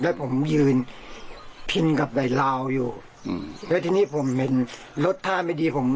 ลงไปดูครับ